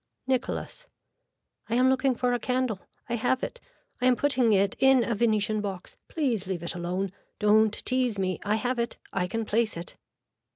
(Nicholas.) I am looking for a candle. I have it. I am putting it in a Venetian box. Please leave it alone. Don't tease me. I have it. I can place it.